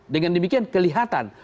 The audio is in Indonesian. dengan demikian kelihatan